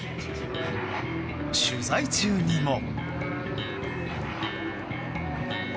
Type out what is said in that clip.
取材中にも。